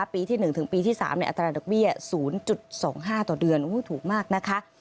ปีที่๑ถึงปีที่๓อัตราดอกเบี้ย๐๒๕ต่อเดือนถูกมากนะคะ